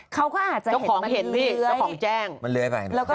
ก็เห็นมันเล้ยมันเล้ยไป